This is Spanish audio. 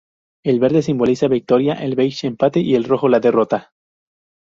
El verde simboliza victoria, el beige empate y el rojo la derrota.